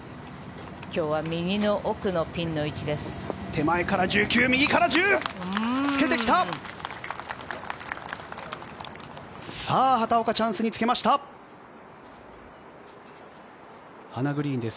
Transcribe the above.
今日は右の奥のピンの位置です。